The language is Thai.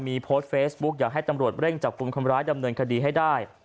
มีโพสต์เฟซบุ๊คอยากให้ตำรวจเร่งจับกลุ่มคนร้ายดำเนินคดีให้ได้